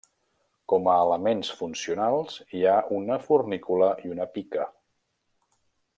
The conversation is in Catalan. Com a elements funcionals hi ha una fornícula i una pica.